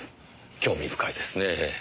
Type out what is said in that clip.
興味深いですねぇ。